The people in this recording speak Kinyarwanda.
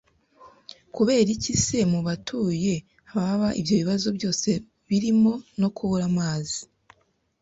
Kubera iki se mu butayu haba ibyo bibazo byose birimo no kubura amazi